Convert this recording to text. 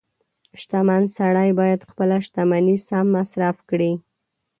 • شتمن سړی باید خپله شتمني سم مصرف کړي.